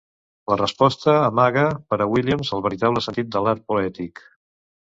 La resposta amaga per a Williams el veritable sentit de l'art poètic.